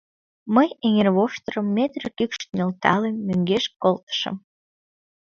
Мый, эҥырвоштырым метр кӱкшыт нӧлталын, мӧҥгеш колтышым.